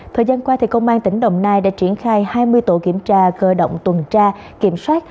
thời gian qua công an tỉnh đồng nai đã triển khai hai mươi tổ kiểm tra cơ động tuần tra kiểm soát